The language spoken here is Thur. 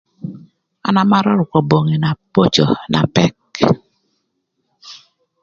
An amarö rukö bongi na böcö na pëk.